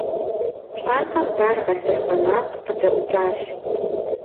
Пщӏантӏэм баргъэ-сыргъэ макъ къыдэӏукӏащ.